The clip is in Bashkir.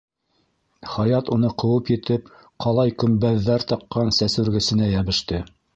Хаят уны ҡыуып етеп, ҡалай көмбәҙҙәр таҡҡан сәсүргесенә йәбеште.